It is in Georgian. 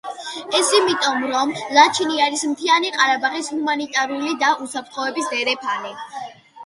ეს იმიტომ, რომ ლაჩინი არის მთიანი ყარაბაღის ჰუმანიტარული და უსაფრთხოების დერეფანი.